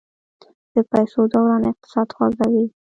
د پیسو دوران اقتصاد خوځوي.